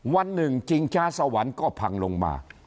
วันหนึ่งชิงช้าสวรรค์ก็พังลงมา